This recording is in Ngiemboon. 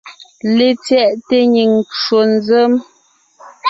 LetsyɛꞋte nyìŋ ncwò nzěm.